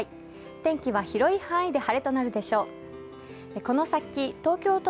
天気は広い範囲で晴れとなるでしょう。